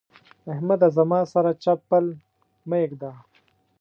احمده! زما سره چپ پل مه اېږده.